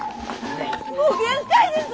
もう限界です！